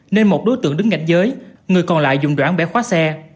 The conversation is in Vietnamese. nên một đối tượng đứng gạch giới người còn lại dùng đoạn bẻ khóa xe